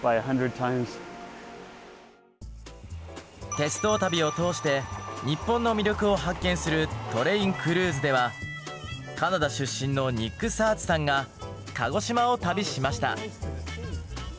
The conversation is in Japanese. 鉄道旅を通して日本の魅力を発見するカナダ出身のニック・サーズさんが鹿児島を旅しました。